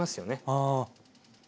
ああ。